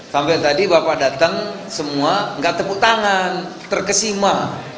sampai tadi bapak datang semua nggak tepuk tangan terkesima